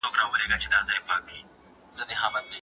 د ځالۍ له پاسه مار یې وولیدلی